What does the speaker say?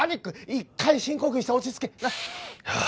一回深呼吸して落ち着け。